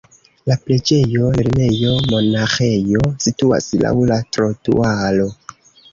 La preĝejo, lernejo, monaĥejo situas laŭ la trotuaro.